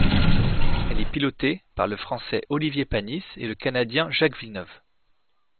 Elle est pilotée par le Français Olivier Panis et le Canadien Jacques Villeneuve.